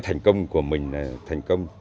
thành công của mình là thành công